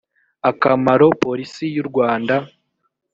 akamaro polisi y u rwanda